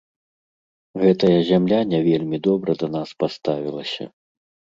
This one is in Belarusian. Гэтая зямля не вельмі добра да нас паставілася.